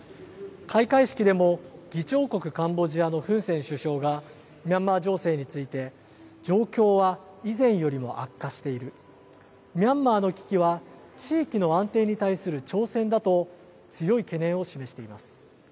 開会式でも議長国カンボジアのフン・セン首相がミャンマー情勢について状況は以前よりも悪化しているミャンマーの危機は地域の安定に対する挑戦だと強い懸念を示しています。